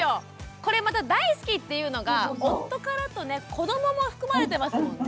これまた「大好き」っていうのが夫からとね子どもも含まれてますもんね。